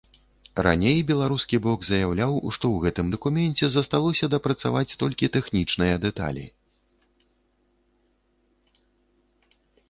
Раней беларускі бок заяўляў, што ў гэтым дакуменце засталося дапрацаваць толькі тэхнічныя дэталі.